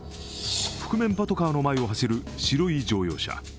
覆面パトカーの前を走る白い乗用車。